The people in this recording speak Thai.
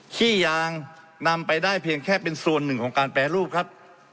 ขี้ยางนำไปได้เพียงแค่เป็นส่วนหนึ่งของการแปรรูปครับ